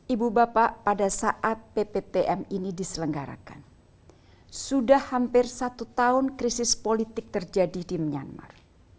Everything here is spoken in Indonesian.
ibu bapak pada saat pptm ini diselenggarakan sudah hampir satu tahun krisis politik terjadi di myanmar